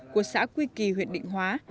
của xã quy kỳ huyện định hóa